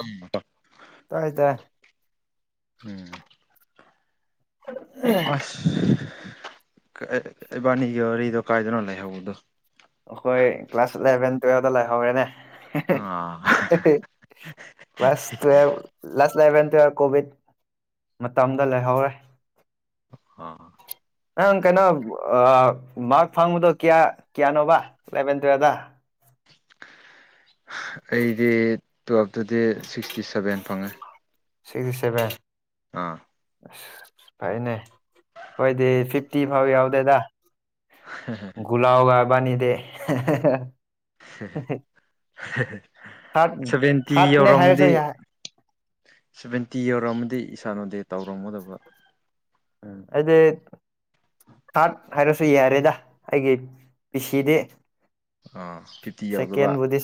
ꯎꯝ ꯇꯥꯏ ꯇꯥꯏ ꯎꯝ ꯑꯁ ꯏꯕꯥꯅꯤꯒꯤ ꯋꯥꯔꯤꯗꯣ ꯀꯥꯏꯗꯅꯣ ꯂꯩꯍꯧꯕꯗꯨ ꯑꯩꯈꯣꯏ ꯀꯂꯥꯁ ꯏꯂꯚꯦꯟ ꯇꯨꯋꯦꯜꯕꯇ ꯂꯩꯥꯍꯧꯔꯦꯅꯦ ꯑꯥ class twelve class eleven twelve Covid ꯃꯇꯝꯗ ꯂꯩꯍꯧꯔꯦ ꯑꯥ ꯅꯪ ꯀꯩꯅꯣ ꯃꯥꯔꯛ ꯐꯪꯕꯗꯣ ꯀꯌꯥ ꯀꯌꯥꯅꯣꯕ ꯏꯂꯚꯦꯟ ꯇꯨꯋꯦꯜꯇ ꯑꯩꯗꯤ ꯇꯨꯋꯦꯜꯞꯇꯗꯤ ꯁꯤꯛꯁꯇꯤ ꯁꯚꯦꯟ ꯐꯪꯉꯦ ꯁꯤꯛꯁꯇ ꯁꯦꯚꯦꯟ ꯑꯥ ꯑꯁ ꯐꯩꯅꯦ ꯑꯩꯈꯣꯏꯗꯤ ꯐꯤꯐꯇꯤ ꯐꯥꯎ ꯌꯧꯗꯦꯗ ꯍꯦ ꯍꯦ ꯂꯣꯒ ꯏꯕꯥꯅꯤꯗꯤ ꯊꯥꯔꯠ ꯁꯚꯦꯟꯇꯤ ꯊꯥꯔꯠꯅꯦ ꯍꯥꯏꯔꯁꯨ ꯌꯧꯔꯝꯃꯗꯤ ꯌꯥꯏ ꯁꯕꯦꯟꯇꯤ ꯌꯧꯔꯝꯃꯗꯤ ꯏꯁꯥꯟ ꯎꯗꯦ ꯇꯧꯔꯝꯒꯗꯧꯕ꯫ ꯎꯝ ꯑꯩꯗꯤ ꯊꯥꯔꯠ ꯍꯥꯏꯔꯁꯨ ꯌꯥꯔꯦꯗ ꯑꯩꯒꯤ ꯄꯤꯁꯤꯗꯤ꯫ ꯑꯥ ꯐꯤꯐꯇꯤ ꯌꯧꯗꯕ ꯁꯦꯀꯦꯟꯕꯨꯗꯤ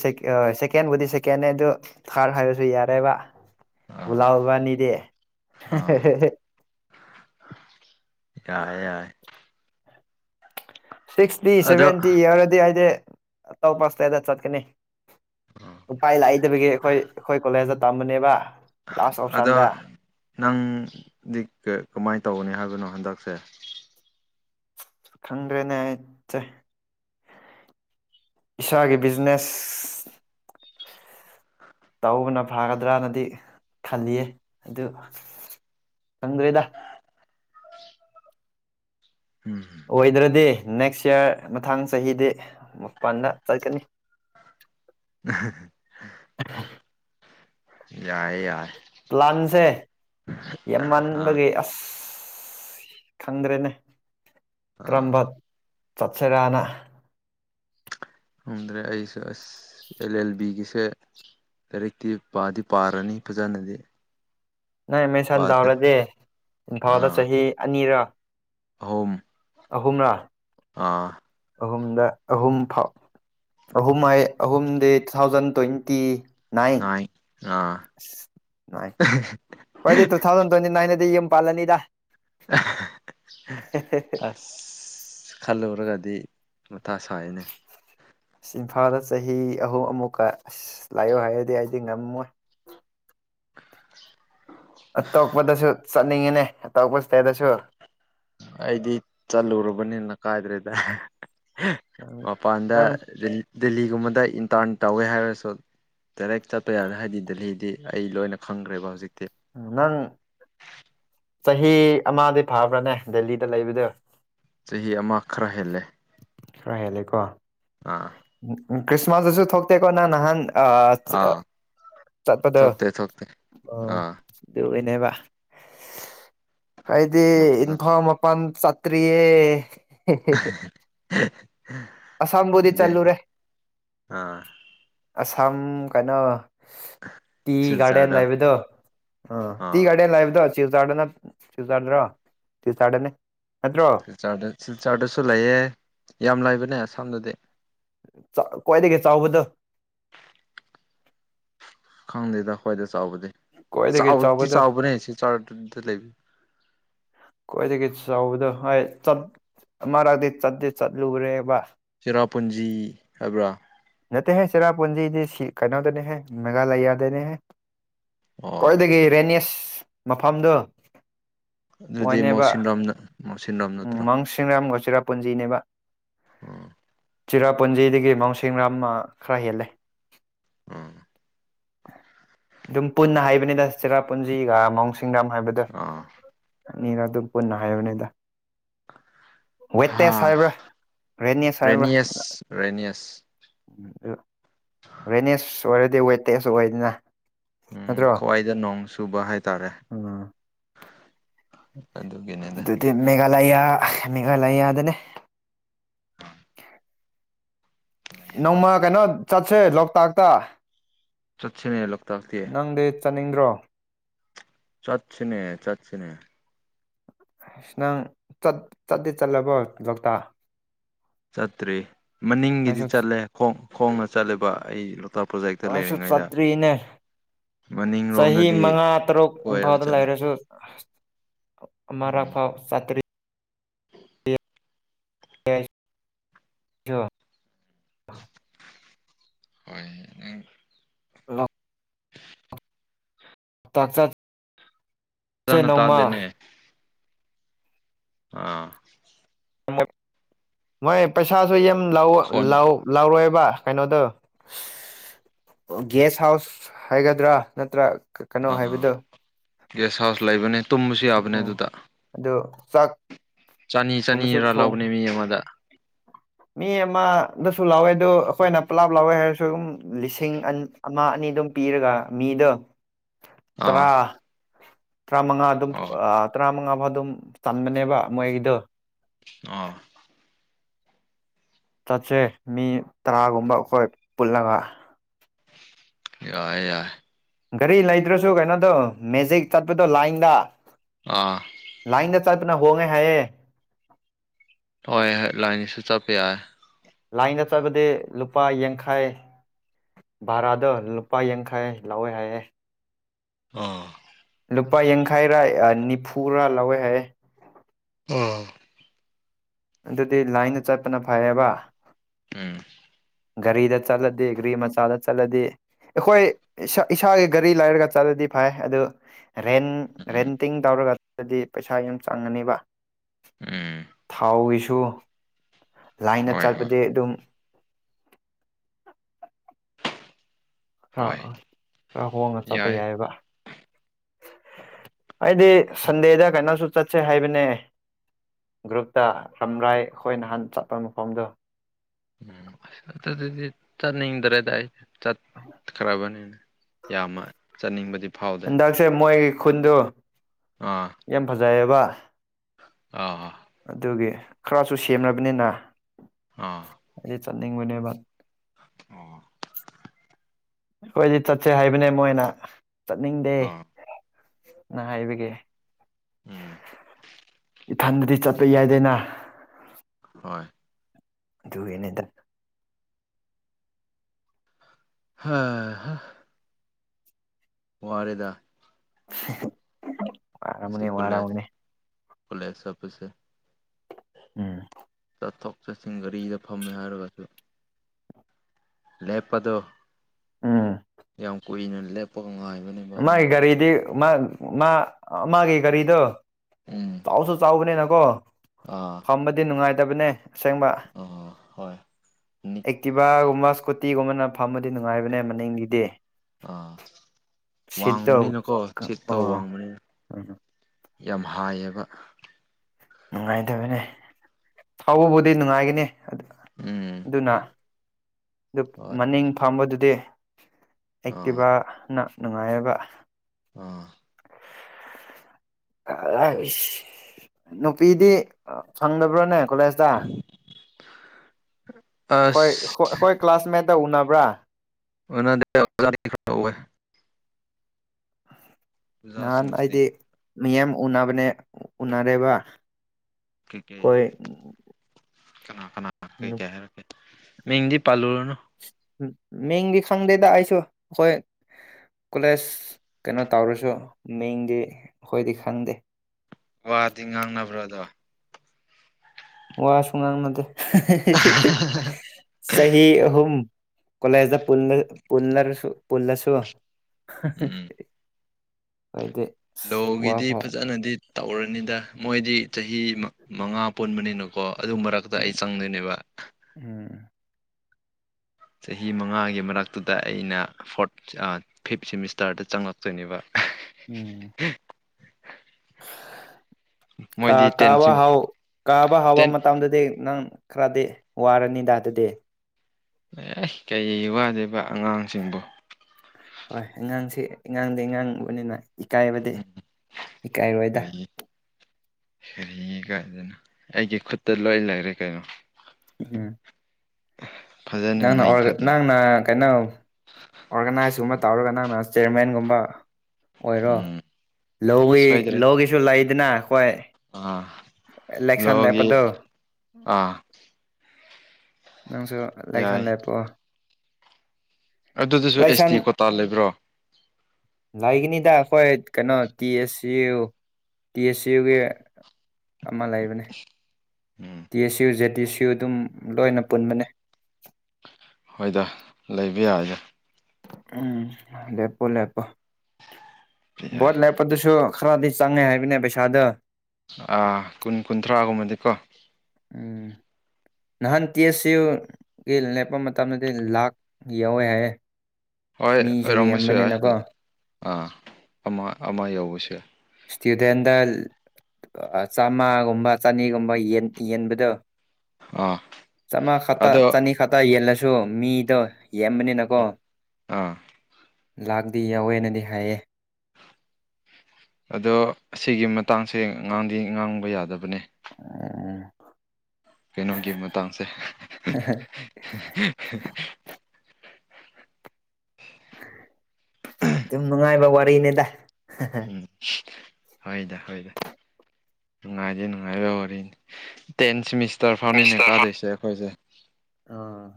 ꯁꯦꯀꯦꯟꯕꯨꯗꯤ ꯁꯦꯀꯦꯟꯅꯦ ꯑꯗꯨ ꯊꯥꯔꯠ ꯍꯥꯏꯔꯁꯨ ꯌꯥꯔꯦꯕ꯫ ꯑꯥ ꯨꯒꯨꯂꯥꯎ ꯏꯕꯅꯤꯗꯤ ꯍꯦꯍꯦ꯫ ꯌꯥꯑꯦ ꯌꯥꯑꯦ꯫ ꯁꯤꯛꯁꯇꯤ ꯑꯗꯣ ꯁꯦꯚꯦꯟꯇꯤ ꯌꯧꯔꯗꯤ ꯑꯩꯗꯤ ꯑꯇꯣꯞꯄ ꯏꯁꯇꯦꯠꯇ ꯆꯠꯀꯅꯤ꯫ ꯎꯄꯥꯏ ꯂꯩꯇꯕꯒꯤ ꯑꯈꯣꯏ ꯑꯈꯣꯏ ꯀꯣꯂꯦꯖꯇ ꯇꯝꯕꯅꯦꯕ꯫ ꯂꯥꯁ ꯑꯗꯣ ꯑꯣꯞꯁꯟꯗ ꯅꯪꯗꯤ ꯀꯤ ꯀꯃꯥꯏ ꯇꯧꯒꯅꯤ ꯍꯥꯏꯕꯅꯣ ꯍꯟꯗꯛꯁꯦ꯫ ꯈꯪꯗ꯭ꯔꯦꯅꯦ ꯑꯩꯖꯦ꯫ ꯏꯁꯥꯒꯤ ꯕꯤꯖꯤꯅꯦꯁ ꯑ ꯇꯧꯕꯅ ꯐꯒꯗ꯭ꯔꯅꯗꯤ ꯈꯜꯂꯤꯌꯦ ꯑꯗꯨ ꯈꯪꯗ꯭ꯔꯦꯗ꯫ ꯎꯝ ꯑꯣꯏꯗ꯭ꯔꯗꯤ ꯅꯦꯛꯁ ꯏꯌꯥꯔ ꯃꯊꯪ ꯆꯍꯤꯗꯤ ꯃꯄꯥꯟꯗ ꯆꯠꯀꯅꯤ꯫ ꯌꯥꯏꯌꯦ ꯌꯥꯔꯦ꯫ ꯄ꯭ꯂꯥꯟꯁꯦ ꯑꯥ ꯌꯥꯝꯃꯥꯟꯕꯒꯤ ꯑꯁ ꯑꯁ ꯈꯪꯗ꯭ꯔꯦꯅꯦ ꯑꯥ ꯀꯔꯝꯕ ꯆꯠꯁꯦꯔꯥꯅ꯫ ꯉꯝꯗ꯭ꯔꯦ ꯑꯩꯁꯨ ꯑꯁ ꯑꯦꯜ ꯑꯦꯜ ꯕꯤꯒꯤꯁꯦ ꯂꯥꯏꯔꯤꯛꯇꯤ ꯄꯥꯗꯤ ꯄꯥꯔꯅꯤ ꯐꯖꯅꯗꯤ꯫ ꯅꯪ ꯑꯦꯃꯤꯁꯟ ꯄꯥꯗꯦ ꯇꯎꯔꯗꯤ ꯏꯝꯐꯥꯜꯗ ꯑꯥ ꯆꯍꯤ ꯑꯅꯤꯔꯥ? ꯑꯍꯨꯝ꯫ ꯑꯍꯨꯝꯔ? ꯑꯥ ꯑꯍꯨꯝꯗ ꯑꯍꯨꯝ ꯐꯥꯎ꯫ ꯑꯍꯨꯝ ꯍꯥꯏ ꯑꯍꯨꯝꯗꯤ ꯇꯨꯊꯥꯎꯖꯟ ꯇ꯭ꯋꯦꯟꯇꯤ ꯥꯅꯥꯏꯠ ꯑꯥ ꯅꯥꯏ ꯍꯣꯏꯗꯤ ꯇꯨꯊꯥꯎꯖꯟ ꯇ꯭ꯋꯦꯟꯇꯤ ꯅꯥꯏꯟꯗꯗꯤ ꯌꯨꯝ ꯄꯥꯜꯂꯅꯤꯗ꯫ ꯑꯁ [unintelligible] ꯑꯁ ꯈꯜꯂꯨꯔꯒꯗꯤ ꯃꯊꯥ ꯁꯥꯏꯅꯦ꯫ ꯏꯁ ꯏꯝꯐꯥꯜꯗ ꯆꯍꯤ ꯑꯍꯨꯝ ꯑꯃꯨꯛꯀ ꯑꯁ ꯂꯩꯌꯣ ꯍꯥꯏꯔꯗꯤ ꯑꯩꯗꯤ ꯉꯝꯃꯣꯏ꯫ [unintelligible] ꯑꯇꯣꯞꯄꯗꯁꯨ ꯆꯠꯅꯤꯡꯉꯤꯅꯦ ꯑꯇꯧꯞꯕ ꯏꯁꯇꯦꯗꯁꯨ꯫ ꯑꯩꯗꯤ ꯆꯠꯂꯨꯔꯕꯅꯤꯅ ꯀꯥꯏꯗ꯭ꯔꯦꯗ꯫ ꯃꯄꯥꯟꯗ ꯅꯪ ꯗꯦꯜ ꯗꯦꯜꯂꯤꯒꯨꯝꯕꯗ ꯏꯟꯇꯔꯟ ꯇꯧꯋꯦ ꯍꯥꯏꯔꯁꯨ꯫ ꯗꯥꯏꯔꯦꯛ ꯆꯠꯄ ꯌꯥꯔꯦ ꯍꯥꯏꯗꯤ ꯗꯦꯂꯤꯗꯤ ꯑꯩ ꯂꯣꯏꯅ ꯈꯪꯈ꯭ꯔꯦꯕ ꯍꯧꯖꯤꯛꯇꯤ꯫ ꯅꯪ ꯆꯍꯤ ꯑꯃꯗꯤ ꯐꯕ꯭ꯔꯥꯅꯦ ꯗꯦꯜꯂꯤꯗ ꯂꯩꯕꯗꯨ? ꯆꯍꯤ ꯑꯃ ꯈꯔ ꯍꯦꯜꯂꯦ꯫ ꯈꯔ ꯍꯦꯂꯦꯀꯣ꯫ ꯑꯥ ꯎ ꯀ꯭ꯔꯤꯁꯃꯁꯗꯁꯨ ꯊꯣꯛꯇꯦꯀꯣ ꯅꯪ ꯅꯍꯥꯟ ꯑ ꯑꯆ ꯑꯥ ꯆꯠꯄꯗꯨ ꯊꯣꯛꯇꯦ ꯊꯣꯛꯇꯦ ꯑꯥ꯫ ꯗꯨꯒꯤꯅꯦꯕ ꯍꯥꯏꯗꯤ ꯏꯟꯐꯥꯃꯞ ꯄꯥꯟ ꯆꯇ꯭ꯔꯤꯌꯦ ꯑꯁꯝꯕꯨꯗꯤ ꯗꯦꯜꯂꯤ ꯆꯜꯂꯨꯔꯦ ꯑꯥ ꯑꯁꯥꯝ ꯀꯩꯅꯣ ꯇꯤ ꯒꯥꯔꯗꯦꯟ ꯁꯤꯜꯆꯔꯗ ꯂꯩꯕꯗꯨ ꯑ ꯑꯥ ꯇꯤ ꯒꯥꯔꯗꯦꯟ ꯂꯩꯕꯗꯨ ꯆꯤꯜꯆꯥꯔꯗꯅꯠ ꯆꯤꯜꯆꯥꯔꯗꯔꯣ ꯆꯤꯜꯆꯥꯔꯗꯅꯦ ꯅꯠꯇ꯭ꯔꯣ ꯁꯤꯜꯆꯔꯗ ꯁꯤꯜꯆꯔꯗꯁꯨ ꯂꯩꯌꯦ ꯌꯥꯝ ꯂꯩꯕꯅꯦ ꯑꯁꯥꯝꯗꯗꯤ ꯆꯥ ꯀ꯭ꯋꯥꯏꯗꯒꯤ ꯆꯥꯎꯕꯗꯨ ꯈꯪꯗꯦꯗ ꯈ꯭ꯋꯥꯏꯗ ꯆꯥꯎꯕꯗꯤ ꯈ꯭ꯋꯥꯏꯗꯒꯤ ꯆꯥꯎꯗꯤ ꯆꯥꯎꯕꯗꯣ ꯆꯥꯎꯕꯅꯦ ꯁꯤꯜꯆꯔꯗ ꯂꯩꯕ ꯀ꯭ꯋꯥꯏꯗꯒꯤ ꯆꯥꯎꯕꯗꯨ ꯍꯣꯏ ꯆꯠ ꯑꯃꯔꯛꯇꯤ ꯆꯠꯇꯤ ꯆꯠꯂꯨꯔꯦꯕ ꯆꯦꯔꯥꯄꯨꯟꯖꯤ ꯍꯥꯏꯕ꯭ꯔꯥ ꯅꯠꯇꯦꯍꯦ ꯆꯦꯔꯥꯄꯨꯟꯖꯤꯗꯤ ꯁꯤ ꯀꯩꯅꯣꯗꯅꯦꯍꯦ ꯃꯦꯒꯥꯂꯩꯌꯥꯗꯅꯦꯍꯦ ꯑꯣ ꯀꯣꯏꯗꯒꯦ ꯔꯦꯅꯦꯁ ꯃꯐꯝꯗꯨ ꯑꯗꯨꯗꯤ ꯃꯣꯁꯤꯟꯔꯝꯅ ꯃꯣꯁꯤꯅꯝ ꯅꯠꯇ꯭ꯔꯣ ꯑꯦꯡꯔꯝꯒ ꯆꯦꯔꯥꯄꯨꯟꯖꯤꯅꯦꯕ ꯑ ꯆꯦꯔꯥꯄꯨꯟꯖꯤꯗꯒꯤ ꯃꯥꯎꯟꯁꯤꯔꯝꯃ ꯈꯔ ꯍꯦꯜꯂꯦ ꯎꯝ ꯑꯗꯨꯝ ꯄꯨꯟꯅ ꯍꯥꯏꯕꯅꯤꯗ ꯆꯦꯔꯥꯄꯨꯨꯟꯖꯤꯒ ꯃꯥꯎꯟꯁꯤ ꯍꯤꯡꯗꯥꯝ ꯍꯥꯏꯕꯗꯨ ꯑꯥ ꯑꯅꯤꯗ ꯑꯗꯨꯝ ꯄꯨꯟꯅ ꯍꯥꯏꯕꯅꯤꯗ ꯍꯥ ꯋꯦꯠꯇꯦꯁ ꯍꯥꯏꯕ꯭ꯔꯥ ꯔꯦꯟꯅꯦꯁ ꯍꯥꯏꯕ꯭ꯔꯥ ꯔꯦꯅꯦꯁ ꯎꯝ ꯎ ꯔꯦꯅꯦꯁ ꯑꯣꯏꯔꯗꯤ ꯋꯦꯇꯦꯁ ꯑꯣꯏꯗꯅ ꯎꯝ ꯅꯠꯇ꯭ꯔꯣ ꯈ꯭ꯋꯥꯏꯗ ꯅꯣꯡ ꯆꯨꯕ ꯍꯥꯏꯇꯥꯔꯦ ꯎꯝ ꯑꯗꯨꯒꯤꯅꯤꯗ ꯇꯤꯞ ꯃꯦꯒꯂꯩꯌꯥ ꯃꯦꯒꯂꯩꯌꯥꯗꯅꯦ ꯅꯣꯡꯃ ꯀꯩꯅꯣ ꯆꯠꯁꯦ ꯂꯣꯛꯇꯥꯛꯇ ꯆꯠꯁꯤꯅꯦ ꯂꯣꯛꯇꯛꯇꯤ ꯅꯪꯗꯤ ꯆꯠꯅꯤꯡꯗ꯭ꯔꯣ ꯆꯠꯁꯤꯅꯦ ꯆꯠꯁꯤꯅꯦ ꯏꯁ ꯅꯪ ꯆꯠ ꯆꯠꯇꯤ ꯆꯠꯂꯕꯣ ꯂꯧꯇꯥꯛ ꯆꯠꯇ꯭ꯔꯤ ꯃꯅꯤꯡꯒꯤꯗꯤ ꯑꯩꯁꯨ ꯆꯠꯂꯦ ꯈꯣꯡ ꯈꯣꯡꯅ ꯆꯠꯂꯦꯕ ꯑꯩ ꯂꯣ ꯑꯣ ꯑꯩꯁꯨ ꯆꯇ꯭ꯔꯤꯅꯦ ꯆꯍꯤ ꯃꯅꯤꯡꯔꯣꯝꯗꯗꯤ ꯃꯉꯥ ꯇꯔꯨꯛ ꯀꯣꯏꯔ ꯏꯝꯐꯥꯜꯗ ꯆꯠꯂꯦ ꯂꯩꯔꯁꯨ ꯑꯃꯔꯛ ꯎꯝ ꯐꯥꯎ ꯆꯠꯇꯔꯤ ꯌꯦ ꯁꯨ ꯍꯣꯏ ꯅꯪ ꯂꯣꯛ ꯇꯥꯛ ꯆꯠ ꯖꯥꯅ ꯇꯥꯗꯦꯅꯦ ꯑꯥ ꯃꯣꯏꯞ ꯃꯣꯏ ꯄꯩꯁꯁꯨ ꯌꯥꯝ ꯂꯧꯋ ꯃꯈꯣꯟ ꯂꯧ ꯂꯥꯎꯔꯣꯏꯕ ꯀꯩꯅꯣꯗꯣ ꯒꯦꯁ ꯍꯥꯎꯁ ꯍꯥꯏꯒꯗ꯭ꯔꯥ ꯅꯠꯇ꯭ꯔꯥ ꯑꯥ ꯒꯦꯁ ꯍꯥꯎꯁ ꯂꯩꯕꯅꯦ ꯇꯨꯝꯕꯁꯨ ꯌꯥꯕꯅꯦ ꯎꯝ ꯑꯗꯨꯗ ꯑꯗꯨ ꯆꯥꯛ ꯆꯅꯤ ꯆꯅꯤꯔꯥ ꯂꯧꯕꯅꯦ ꯃꯤ ꯑꯃꯗ ꯃꯤ ꯑꯃꯗꯁꯨ ꯂꯥꯎꯋꯦ ꯑꯗꯨ ꯑꯈꯣꯏꯅ ꯄꯨꯂꯥꯞ ꯂꯥꯎꯋꯦ ꯍꯥꯏꯔꯁꯨ ꯑꯗꯨꯝ ꯂꯤꯁꯤꯡ ꯑꯟ ꯑꯃ ꯑꯅꯤꯗꯨꯝ ꯄꯤꯔꯒ ꯃꯤꯗꯣ [unintelligible] ꯇꯔꯥ ꯑꯥ ꯇꯔꯥꯃꯉꯥ ꯑꯗꯨꯝ ꯑꯣ ꯇꯔꯥꯃꯉꯥ ꯐꯥꯎ ꯑꯗꯨꯝ ꯆꯟꯕꯅꯦꯕ ꯃꯣꯏꯒꯤꯗꯣ ꯑꯣ ꯆꯠꯁꯦ ꯃꯤ ꯇꯔꯥꯒꯨꯝꯕ ꯑꯩꯈꯣꯏ ꯄꯨꯜꯂꯒ ꯌꯥꯑꯦ ꯌꯥꯏ ꯒꯥꯔꯤ ꯂꯩꯗ꯭ꯔꯁꯨ ꯀꯩꯅꯣꯗꯣ ꯃꯦꯖꯤꯛ ꯆꯠꯄꯗꯣ ꯂꯥꯏꯟꯗ ꯑꯥ ꯂꯥꯏꯟꯗ ꯆꯠꯄꯅ ꯍꯣꯡꯉꯦ ꯍꯥꯏꯌꯦ ꯍꯣꯏ ꯂꯥꯏꯟꯗꯁꯨ ꯆꯠꯄ ꯌꯥꯏ ꯂꯥꯏꯟꯗ ꯆꯥꯠꯕꯗꯤ ꯂꯨꯄꯥ ꯌꯥꯡꯈꯩ ꯚꯔꯥꯗꯣ ꯂꯨꯄꯥ ꯌꯥꯡꯈꯩ ꯂꯧꯋꯦ ꯍꯥꯏꯌꯦ ꯑꯥ ꯂꯨꯄꯥ ꯌꯥꯡꯈꯩꯔꯥ ꯅꯤꯐꯨꯔꯥ ꯂꯧꯋꯦ ꯍꯥꯏꯌꯦ ꯑꯥ ꯑꯗꯨꯗꯤ ꯂꯥꯏꯟꯗ ꯆꯠꯄꯅ ꯐꯩꯌꯦꯕ ꯎꯝ ꯒꯥꯔꯤꯗ ꯆꯠꯂꯗꯤ ꯒꯥꯔꯤ ꯃꯆꯥꯗ ꯆꯠꯂꯗꯤ ꯑꯩꯈꯣꯏ ꯏꯁꯥꯒꯤ ꯒꯥꯔꯤ ꯂꯩꯥꯔꯒ ꯆꯠꯂꯗꯤ ꯐꯩ ꯑꯗꯨ ꯔꯦꯟ ꯎꯝ ꯔꯦꯟꯇꯤꯡ ꯇꯧꯔꯒ ꯗꯤ ꯄꯩꯁꯥ ꯌꯥꯝ ꯆꯪꯉꯥꯅꯤꯕ ꯎꯝ ꯊꯥꯎꯒꯤꯁꯨ ꯂꯥꯏꯟꯗ ꯍꯣꯏ ꯍꯣꯏ ꯆꯠꯄꯗꯤ ꯑꯗꯨꯝ ꯍꯣꯏ ꯈꯔ ꯈꯔ ꯍꯣꯡꯅ ꯆꯠꯄ ꯌꯥꯏ ꯌꯥꯏꯑꯦꯕ [unintelligible] ꯑꯩꯗꯤ ꯁꯟꯗꯦꯗ ꯀꯩꯅꯣꯁꯨ ꯆꯠꯁꯦ ꯍꯥꯏꯕꯅꯦ ꯒ꯭ꯔꯨꯞꯇ ꯇꯝꯔꯥꯏ ꯑꯩꯈꯣꯏ ꯅꯍꯥꯟ ꯆꯠꯄ ꯃꯐꯝꯗꯣ ꯎꯝ ꯑꯁ ꯑꯗꯨꯗꯗꯤ ꯆꯠꯅꯤꯡꯗ꯭ꯔꯦꯗ ꯑꯩꯗꯤ ꯆꯠꯈ꯭ꯔꯕꯅꯤꯅ ꯌꯥꯝꯅ ꯆꯠꯅꯤꯡꯕꯗꯤ ꯐꯥꯎꯗꯦ ꯆꯠꯁꯦ ꯃꯣꯏꯒꯤ ꯈꯨꯟꯗꯨ ꯑꯥ ꯌꯥꯝ ꯐꯖꯩꯑꯦꯕ ꯑ ꯑꯗꯨꯒꯤ ꯈꯔꯁꯨ ꯁꯦꯝꯔꯕꯅꯤꯅ ꯑꯥ ꯑꯩꯗꯤ ꯆꯠꯅꯤꯡꯕꯅꯦꯕ ꯑꯣ ꯑꯩꯈꯣꯏꯗꯤ ꯆꯠꯁꯦ ꯍꯥꯏꯕꯅꯦ ꯃꯣꯏꯅ ꯆꯠꯅꯤꯡꯗꯦ ꯑꯥ ꯅ ꯍꯥꯏꯕꯒꯤ ꯎꯝ ꯏꯊꯟꯗꯗꯤ ꯆꯠꯄ ꯌꯥꯏꯗꯅ ꯍꯣꯏ ꯑꯗꯨꯒꯤꯅꯤꯗ ꯍꯥ ꯍꯥ ꯋꯥꯔꯦꯗꯥ [unintelligible] ꯉꯁꯤ ꯋꯥꯔꯝꯒꯅꯤ ꯀꯣꯂꯦꯖ ꯋꯥꯔꯝꯒꯅꯤ ꯀꯣꯂꯦꯖ ꯆꯠꯄꯥꯁꯦ ꯎꯝ ꯆꯠꯊꯣꯛ ꯆꯠꯁꯤꯟ ꯒꯥꯔꯤꯗ ꯐꯝꯃꯦ ꯍꯥꯏꯔꯒꯁꯨ ꯂꯦꯞꯄꯗꯣ ꯎꯝ ꯌꯥꯝ ꯀꯨꯏꯅ ꯂꯦꯞꯄꯒ ꯉꯥꯏꯕꯅꯤ ꯃꯥꯒꯤ ꯒꯥꯔꯤꯗꯤ ꯃꯥ ꯃꯥ ꯃꯥꯒꯤ ꯒꯥꯔꯤꯗꯣ ꯎꯝ ꯆꯥꯎꯁꯨ ꯆꯥꯎꯕꯅꯤꯅꯀꯣ ꯑꯥ ꯄꯝꯕꯗꯤ ꯅꯨꯡꯉꯥꯏꯇꯕꯅꯦ ꯑꯁꯦꯡꯕ ꯑꯣ ꯍꯣꯏ ꯑꯦꯛꯇꯤꯚꯒꯨꯝꯕ ꯁꯀꯨꯇꯤꯒꯨꯝꯕꯅ ꯐꯃꯗꯤ ꯅꯨꯡꯉꯥꯏꯕꯅꯦ ꯃꯅꯤꯡꯒꯤꯗꯤ ꯑꯥ ꯁꯤꯠꯇꯣ ꯋꯥꯡꯕꯅꯤꯅꯀꯣ ꯁꯤꯠꯇꯧ ꯑꯣ ꯋꯥꯡꯕꯅꯤꯅ ꯎꯝ ꯌꯥꯝ ꯍꯥꯏꯌꯦꯕ ꯅꯨꯡꯉꯥꯏꯇꯕꯅꯦ ꯊꯧꯕꯕꯨꯗꯤ ꯅꯨꯡꯉꯥꯏꯒꯅꯤ ꯎꯝ ꯑꯗꯨꯅ ꯑꯗꯨ ꯍꯣꯏ ꯃꯅꯤꯡ ꯐꯝꯕꯗꯨꯗꯤ ꯑꯥ ꯑꯦꯛꯇꯤꯚꯅ ꯅꯨꯡꯉꯥꯏꯔꯕ ꯑꯥ ꯅꯨꯄꯤꯗꯤ ꯐꯪꯗꯕ꯭ꯔꯣꯅꯦ ꯀꯣꯂꯦꯖꯇ [inaudible] ꯑꯈꯣꯏ ꯑꯁ ꯑꯈꯣꯏ ꯀ꯭ꯂꯥꯁꯃꯦꯠꯇ ꯎꯅꯕ꯭ꯔꯥ [unintelligible] ꯅꯍꯥꯟ ꯑꯣꯖꯥꯁꯤꯡꯁꯤꯗꯤ ꯑꯩꯗꯤ ꯃꯤꯌꯥꯝ ꯎꯅꯕꯅꯦ ꯎꯅꯔꯦꯕ ꯀꯩ ꯀꯩ ꯍꯣꯏ ꯀꯅꯥ ꯀꯅꯥ ꯀꯩ [unintelligible] ꯃꯤꯡꯗꯤ ꯄꯥꯜꯂꯨꯔꯅꯨ ꯎꯝ ꯃꯤꯡꯗꯤ ꯈꯪꯗꯦꯗ ꯑꯩꯁꯨ ꯍꯣꯏ ꯀꯣꯂꯦꯖ ꯀꯩꯅꯣ ꯇꯧꯔꯁꯨ ꯃꯤꯡꯗꯤ ꯑꯩꯈꯣꯏꯗꯤ ꯈꯪꯗꯦ ꯋꯥꯗꯤ ꯉꯥꯡꯅꯕ꯭ꯔꯣ ꯑꯗꯣ ꯋꯥꯁꯨ ꯉꯥꯡꯅꯗꯦ ꯆꯍꯤ ꯑꯍꯨꯝ ꯀꯣꯂꯦꯖꯇ ꯄꯨꯟꯅꯔꯁꯨ ꯄꯨꯜꯂꯁꯨ ꯎꯝ [unintelligible] ꯂꯣꯒꯤꯗꯤ ꯋꯥꯐꯥꯎ ꯐꯖꯅꯗꯤ ꯇꯧꯔꯅꯤꯗ ꯃꯣꯏꯗꯤ ꯆꯍꯤ ꯃꯉꯥ ꯄꯨꯟꯕꯅꯤꯅꯣ ꯀꯣ ꯑꯗꯨ ꯃꯔꯛꯇ ꯑꯩ ꯆꯪꯗꯣꯏꯅꯦꯕ ꯎꯝ ꯆꯍꯤ ꯃꯉꯥꯒꯤ ꯃꯔꯛꯇꯨꯗ ꯑꯩꯅ ꯐꯣꯔꯠ ꯐꯤꯞ ꯁꯦꯃꯤꯁꯇꯔꯗ ꯆꯪꯉꯛꯇꯣꯏꯅꯦꯕ ꯎꯝ ꯀ ꯃꯣꯏꯗꯤ ꯇꯦꯟ ꯀꯥꯕ ꯁꯦꯃꯤ ꯍꯥꯎ ꯀꯥꯕ ꯍꯥꯎꯕ ꯇꯦꯟ ꯃꯇꯝꯗꯗꯤ ꯅꯪ ꯈꯔꯗꯤ ꯋꯥꯔꯅꯤꯗꯥ ꯑꯗꯨꯗꯤ ꯀꯩ ꯋꯥꯗꯦꯕ ꯑꯉꯥꯡꯁꯤꯡꯕꯨꯣ ꯍꯣꯏ ꯑꯉꯥꯡꯁꯤ ꯑꯉꯥꯡꯗꯤ ꯑꯉꯥꯡꯕꯅꯤꯅ ꯏꯀꯥꯏꯕꯗꯤ ꯏꯀꯥꯏꯔꯣꯏꯗ [unintelligible] ꯀꯔꯤ ꯀꯥꯏꯗꯅ ꯑꯩꯒꯤ ꯈꯨꯠꯇ ꯂꯣꯏ ꯂꯩꯔꯦ ꯀꯩꯅꯣ ꯎꯝ ꯐꯖꯅ ꯅꯪꯅ ꯑꯣꯔ ꯅꯩꯊꯗꯣꯏꯅꯤ ꯅꯪꯅ ꯀꯩꯅꯣ ꯑꯣꯔꯒꯅꯥꯏꯁꯀꯨꯝꯕ ꯇꯧꯔꯒ ꯅꯪꯅ ꯆꯤꯌꯔꯃꯦꯟꯒꯨꯝꯕ ꯑꯣꯏꯔꯣ ꯎꯝ ꯂꯧꯒꯤ ꯁꯣꯏꯗ꯭ꯔꯦ ꯂꯧꯒꯤꯁꯨ ꯂꯩꯗꯅ ꯑꯩꯈꯣꯏ꯫ ꯑꯥ ꯏꯂꯦꯛꯁꯟ ꯂꯣꯒꯤ ꯂꯦꯞꯄꯗꯣ ꯑꯥ ꯅꯪꯁꯨ ꯂꯩꯈ ꯌꯥꯏ ꯂꯦꯄꯑꯣ꯫ ꯑꯗꯨꯗꯁꯨ ꯑꯦꯁ ꯇꯤ ꯀꯣꯇꯥ ꯂꯩꯕ꯭ꯔꯣ꯫ ꯂꯩꯒꯅꯤꯗ ꯑꯩꯈꯣꯏ ꯀꯩꯅꯣ T S U. T S ꯌꯨꯒꯤ ꯑꯃ ꯂꯩꯕꯅꯦ꯫ ꯎꯝ꯫ ꯇꯤ ꯑꯦꯁ ꯌꯨ ꯖꯦ ꯇ ꯁꯤ ꯌꯨ ꯑꯗꯨꯝ ꯂꯣꯏꯅ ꯄꯨꯟꯕꯅꯦ꯫ ꯍꯣꯏꯗ ꯂꯩꯕ ꯌꯥꯏꯒꯦ꯫ ꯎꯝ ꯂꯦꯄꯣ ꯂꯦꯄꯣ꯫ ꯌꯥꯏ ꯕꯣꯠ ꯂꯦꯄꯗꯨꯁꯨ ꯈꯔꯗꯤ ꯆꯪꯉꯦ ꯍꯥꯏꯕꯅꯦ ꯄꯩꯁꯥꯗꯣ꯫ ꯑ ꯀꯨꯟ ꯀꯨꯟꯊ꯭ꯔꯥꯒꯨꯝꯕꯗꯤꯀꯣ꯫ ꯎꯝ [inaudible] ꯅꯍꯥꯟ ꯇꯦꯁꯌꯨꯒꯤ ꯂꯦꯞꯄ ꯃꯇꯝꯗꯗꯤ ꯂꯥꯛ ꯌꯥꯎꯋꯦ ꯍꯥꯏꯌꯦ꯫ ꯍꯣꯏ ꯃꯤꯁꯨ ꯑꯣꯏꯔꯝꯃꯁꯨ ꯌꯥꯏ ꯌꯥꯝꯕꯅꯤꯅꯀꯣ ꯑꯥ ꯑꯃ ꯑꯃ ꯌꯧꯕꯁꯨ ꯌꯥꯏ꯫ ꯏꯁꯇꯨꯗꯦꯟꯗꯜ ꯆꯥꯝꯃꯒꯨꯝꯕ ꯆꯅꯤꯒꯨꯝꯕꯟ ꯌꯦꯟ ꯌꯦꯟꯕꯗꯣ ꯑꯥ ꯆꯥꯝꯃꯉꯥ ꯈꯛꯇ ꯑꯗꯣ ꯆꯅꯤ ꯈꯛꯇ ꯌꯦꯜꯂꯁꯨ ꯃꯤꯗꯣ ꯌꯦꯟꯕꯅꯤꯅꯀꯣ꯫ ꯑꯥ꯫ ꯂꯥꯛꯇꯗꯤ ꯌꯥꯎꯋꯦꯅꯗꯤ ꯍꯥꯏꯌꯦ꯫ ꯑꯗꯣ ꯑꯁꯤꯒꯤ ꯃꯇꯥꯡꯁꯦ ꯉꯥꯡꯗꯤ ꯉꯥꯡꯕ ꯌꯥꯗꯕꯅꯦ꯫ ꯎꯝ꯫ ꯀꯩꯅꯣꯒꯤ ꯃꯇꯥꯡꯁꯦ꯫ ꯑꯗꯨꯝ ꯅꯨꯡꯉꯥꯏꯕ ꯋꯥꯔꯤꯅꯤꯗ꯫ ꯎꯝ꯫ ꯍꯣꯏꯗ ꯍꯣꯏꯗ ꯅꯨꯡꯉꯥꯏꯗꯤ ꯅꯨꯡꯉꯥꯏꯕ ꯋꯥꯔꯤꯅꯤ꯫ ꯇꯦꯟ ꯁꯦꯃꯤꯁꯇꯔ ꯐꯥꯎꯅꯤꯅꯦ ꯃꯤꯁꯇꯔ ꯀꯥꯗꯣꯏꯁꯦ ꯑꯩꯈꯣꯏꯁꯦ꯫ ꯎꯝ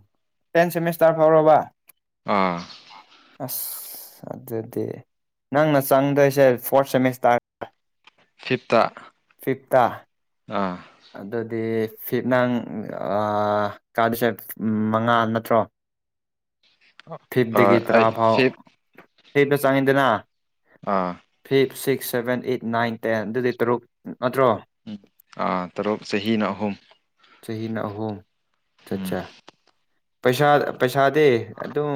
ꯇꯦꯟ ꯁꯦꯃꯤꯁꯇꯔ ꯐꯥꯎꯔꯕ꯫ ꯑꯥ꯫ ꯑꯁ ꯑꯗꯨꯗꯤ ꯅꯪꯅ ꯆꯪꯗꯣꯏꯁꯦ ꯐꯣꯔꯠ ꯁꯦꯃꯤꯁꯇꯥꯔ꯫ ꯐꯤꯞꯇ ꯐꯤꯞꯇꯥ ꯑꯥ꯫ ꯑꯗꯨꯗꯤ ꯐꯤꯠ ꯅꯪ ꯀꯥꯗꯣꯁꯦ ꯃꯉꯥ ꯅꯠꯇ꯭ꯔꯣ꯫ ꯑꯥ ꯐꯤꯐꯇꯗꯒꯤ ꯇꯔꯥ ꯑꯩ ꯐꯥꯎ ꯐꯤꯞ ꯐꯤꯞꯇ ꯆꯪꯉꯤꯗꯅ꯫ ꯑꯥ five six seven eight nine ten ꯑꯗꯨꯗꯤ ꯇꯔꯨꯛ ꯅꯠꯇ꯭ꯔꯣ꯫ ꯎꯨꯝ ꯑ ꯇꯔꯨꯛ ꯆꯍꯤꯅ ꯑꯍꯨꯝ ꯆꯍꯤꯅ ꯑꯍꯨꯝ ꯎꯝ ꯆꯠꯆꯥ ꯄꯩꯁꯥ ꯄꯩꯁꯥꯗꯤ ꯑꯗꯨꯝ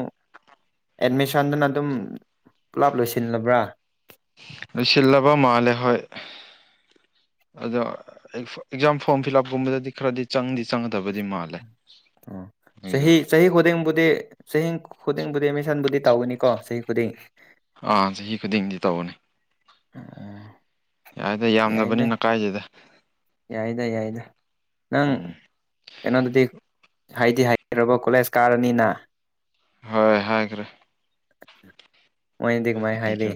ꯑꯦꯠꯃꯤꯁꯟꯗꯨꯅ ꯑꯗꯨꯝ ꯄꯨꯂꯞ ꯂꯣꯏꯁꯤꯜꯂꯕ꯭ꯔꯥ꯫ ꯂꯣꯏꯁꯤꯜꯂꯥꯕ ꯃꯥꯂꯦ ꯍꯣꯏ꯫ ꯑꯗꯣ ꯑꯦꯛꯖꯥꯝ ꯐꯣꯔꯝ ꯐꯤꯜ ꯑꯞꯀꯨꯝꯕꯗꯗꯤ ꯈꯔꯗꯤ ꯆꯪꯗꯤ ꯆꯪꯒꯗꯕꯗꯤ ꯃꯥꯜꯂꯦ‌꯫ ꯑꯣ ꯆꯍꯤ ꯆꯍꯤ ꯈꯨꯗꯤꯡꯕꯨꯗꯤ ꯆꯍꯤ ꯈꯨꯗꯤꯡꯕꯨꯗꯤ ꯑꯦꯃꯤꯁꯟꯕꯨꯗꯤ ꯇꯧꯒꯅꯤꯀꯣ ꯆꯍꯤ ꯈꯨꯗꯤꯡ ꯑꯥ ꯆꯍꯤ ꯈꯨꯗꯤꯡꯒꯤ ꯇꯧꯕꯅꯦ꯫ ꯎꯝ꯫ ꯌꯥꯏꯗ ꯌꯥꯝꯗꯕꯅꯤꯅ ꯀꯥꯏꯗꯦꯗ ꯌꯥꯏꯗ ꯌꯥꯏꯗ ꯅꯪ ꯎꯝ ꯀꯩꯅꯣꯗꯨꯗꯤ ꯍꯥꯏꯗꯤ ꯍꯥꯏꯈ꯭ꯔꯕꯣ ꯀꯣꯂꯦꯖ ꯀꯥꯔꯅꯤꯅ ꯍꯣꯏ ꯍꯥꯏꯈ꯭ꯔꯦ ꯃꯣꯢꯗꯤ ꯀꯃꯥꯏ ꯍꯥꯏꯔꯤ ꯍꯥꯏꯕꯤꯈ꯭ꯔꯦ